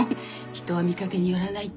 人は見かけによらないって。